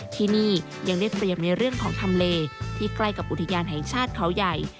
ที่นี่ยังได้เตรียมในเรื่องของทำเลที่ใกล้กับอุทยานแห่งชาติเขาใหญ่